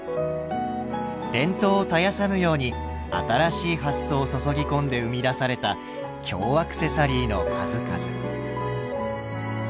伝統を絶やさぬように新しい発想を注ぎ込んで生み出された京アクセサリーの数々。